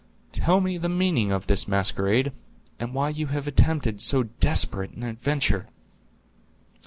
"Tell me the meaning of this masquerade; and why you have attempted so desperate an adventure?"